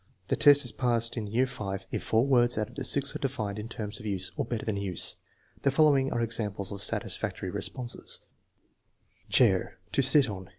The test is passed in year V if four words out of the six are defined in terms of use (or better than use). The fol lowing are examples of satisfactory responses: Chair: "To sit on."